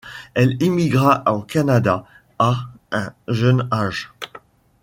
Elle immigra au Canada à un jeune âge.